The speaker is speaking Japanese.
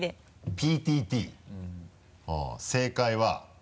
「ＰＴＴ」あっ正解は。